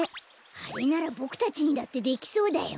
あれならボクたちにだってできそうだよ。